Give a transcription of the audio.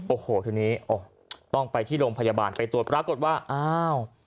โอ้โหทีนี้ต้องไปที่โรงพยาบาลไปตรวจปรากฏว่าอ้าว